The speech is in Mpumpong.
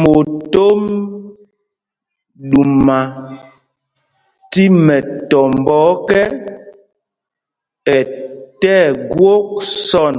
Motom ɗuma tí mɛtɔmbɔ ɔkɛ, ɛ tí ɛgwok sɔ̂n.